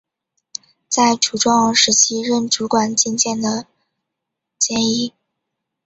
在楚庄王时期任主管进谏的箴尹。